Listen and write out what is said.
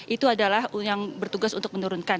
itu adalah yang bertugas untuk menurunkan